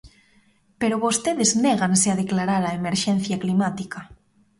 Pero vostedes néganse a declarar a emerxencia climática.